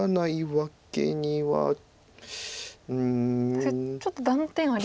確かにちょっと断点ありますよね。